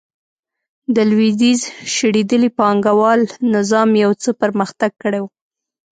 د لوېدیځ شړېدلي پانګوال نظام یو څه پرمختګ کړی و.